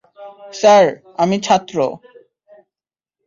Sir, আমি ছাত্র।